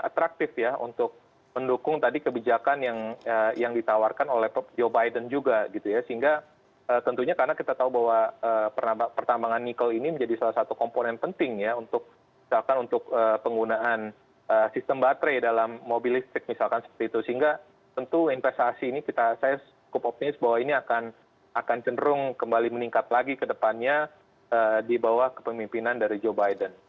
atraktif ya untuk mendukung tadi kebijakan yang ditawarkan oleh joe biden juga gitu ya sehingga tentunya karena kita tahu bahwa pertambangan nikel ini menjadi salah satu komponen penting ya untuk misalkan untuk penggunaan sistem baterai dalam mobilistik misalkan seperti itu sehingga tentu investasi ini kita saya scoop of this bahwa ini akan cenderung kembali meningkat lagi ke depannya dibawah kepemimpinan dari joe biden